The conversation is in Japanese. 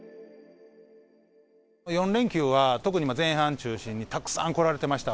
４連休は、特に前半中心にたくさん来られてました。